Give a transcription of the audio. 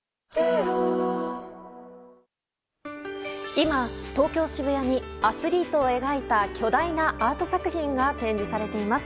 今、東京・渋谷にアスリートを描いた巨大なアート作品が展示されています。